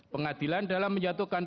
pengadilan dalam menyatukan